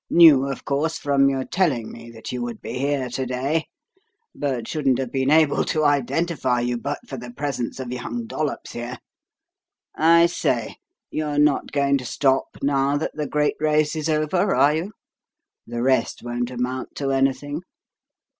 Knew of course, from your telling me, that you would be here to day, but shouldn't have been able to identify you but for the presence of young Dollops here. I say: you're not going to stop now that the great race is over, are you? The rest won't amount to anything."